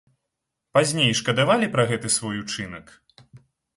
Пазней шкадавалі пра гэты свой учынак?